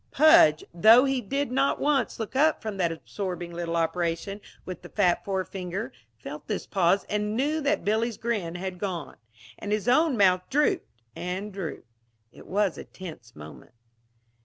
Pudge, though he did not once look up from that absorbing little operation with the fat forefinger, felt this pause and knew that Billy's grin had gone; and his own mouth drooped and drooped. It was a tense moment.